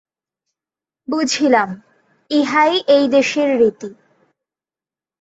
বুঝিলাম, ইহাই এই দেশের রীতি।